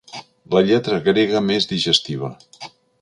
La lletra grega més digestiva.